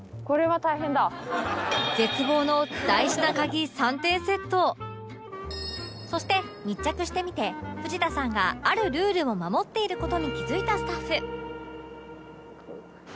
絶望のそして密着してみて藤田さんがあるルールを守っている事に気付いたスタッフ